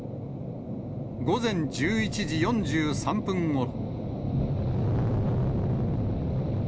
午前１１時４３分ごろ。